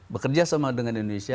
bekerja sama dengan indonesia